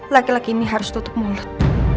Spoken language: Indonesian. laki laki ini harus tutup mulut